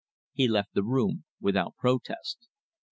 He left the room without protest.